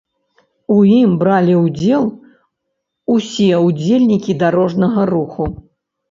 У ім бралі ўдзел усе ўдзельнікі дарожнага руху.